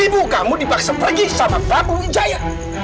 ibu kamu dipaksa pergi sama prabu wijaya